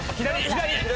左！